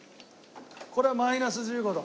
これはマイナス１５度。